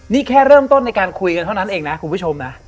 นี่แค่เริ่มต้นในการคุยกันเท่านั้นเองนะคุณผู้ชมนะ